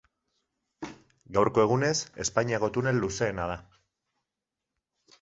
Gaurko egunez, Espainiako tunel luzeena da.